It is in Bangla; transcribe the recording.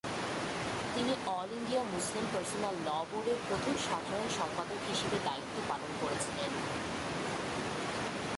তিনি all India Muslim personal law board প্রথম সাধারণ সম্পাদক হিসাবে দায়িত্ব পালন করেছিলেন।